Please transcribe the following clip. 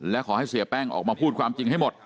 และขอให้เสียแป้งออกมาพูดความจริงให้หมด